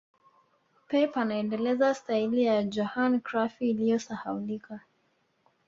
pep anaendeleza staili ya Johan Crufy iliyosahaulika